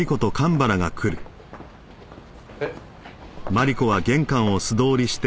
えっ？